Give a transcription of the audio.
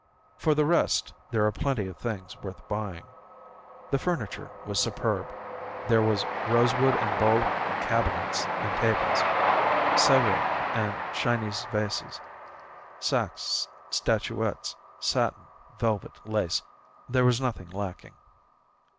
For the rest, there were plenty of things worth buying. The furniture was superb; there were rosewood and buhl cabinets and tables, Sevres and Chinese vases, Saxe statuettes, satin, velvet, lace; there was nothing lacking.